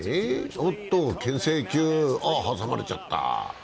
おっとけん制球、あ、挟まれちゃった。